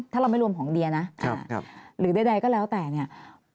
ถ้าเราไม่รวมของเดียนะหรือใดก็แล้วแต่เนี่ย